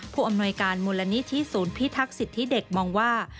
ผู้อำนวยการมูลนิธิศูนย์พิทักษิตเด็กมองว่า